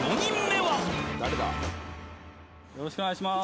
よろしくお願いします